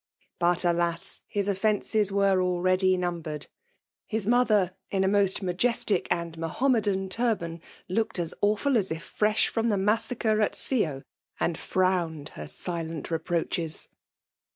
But, alas ! his ofFeticcB were .abeady numbered! — His mother, in a most majestic and Mahomedan turban, looked 9^ awful as if fresh from the massacre at Scio; and frowned her silent reproaches.